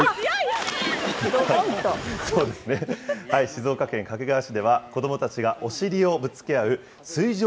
静岡県掛川市では、子どもたちがお尻をぶつけ合う、水上。